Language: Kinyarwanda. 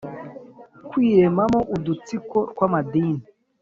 Kwiremamo udutsiko tw amadini